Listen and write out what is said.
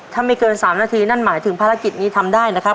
ถ้าไม่เกิน๓นาทีนั่นหมายถึงภารกิจนี้ทำได้นะครับ